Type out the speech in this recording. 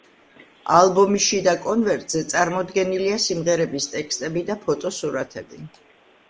ალბომის შიდა კონვერტზე წარმოდგენილია სიმღერების ტექსტები და ფოტოსურათები.